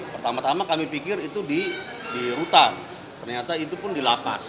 pertama tama kami pikir itu di rutan ternyata itu pun di lapas